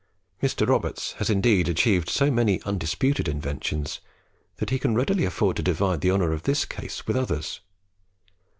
Mr. Roberts has indeed achieved so many undisputed inventions, that he can readily afford to divide the honour in this case with others.